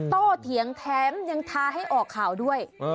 โตเถียงแถมยังท้าให้ออกข่าวด้วย